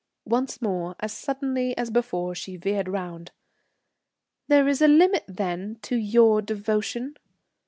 Once more, as suddenly as before, she veered round. "There is a limit, then, to your devotion?"